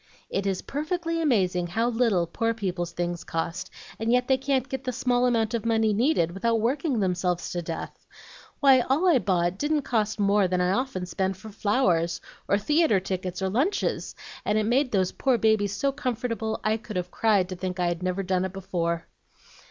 It is perfectly amazing how little poor people's things cost, and yet they can't get the small amount of money needed without working themselves to death. Why, all I bought didn't cost more than I often spend for flowers, or theatre tickets, or lunches, and it made those poor babies so comfortable I could have cried to think I'd never done it before."